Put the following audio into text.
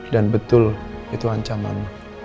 dan betul itu ancaman